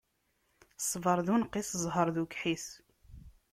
Ṣṣbeṛ d unqis, ẓẓheṛ d ukḥis.